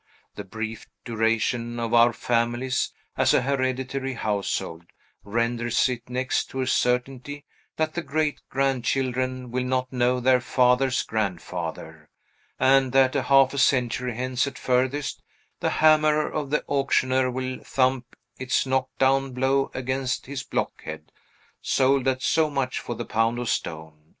The brief duration of our families, as a hereditary household, renders it next to a certainty that the great grandchildren will not know their father's grandfather, and that half a century hence at furthest, the hammer of the auctioneer will thump its knock down blow against his blockhead, sold at so much for the pound of stone!